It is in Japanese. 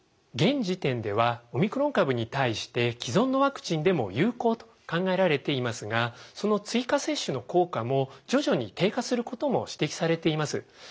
現時点ではオミクロン株に対して既存のワクチンでも有効と考えられていますがその追加接種の効果も徐々に低下することも指摘されています。